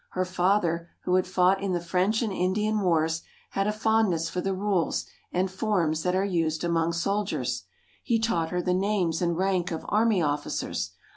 Her father, who had fought in the French and Indian wars, had a fondness for the rules and forms that are used among soldiers. He taught her the names and rank of army officers.